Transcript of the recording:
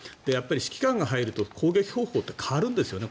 指揮官が入ると攻撃方法って変わるんですよね。